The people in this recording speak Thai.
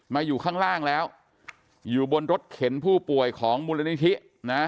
อยู่ข้างล่างแล้วอยู่บนรถเข็นผู้ป่วยของมูลนิธินะ